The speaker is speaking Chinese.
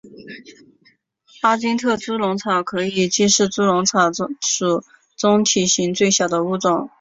阿金特猪笼草可能既是猪笼草属中体型最小的物种。